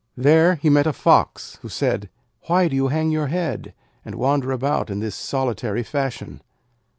There he met a Fox, who said: 'Why do you hang your head, and wander about in this solitary fashion?'